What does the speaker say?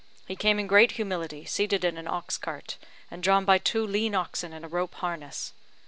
He came in great humility, seated in an ox cart, and drawn by two lean oxen and a rope harness.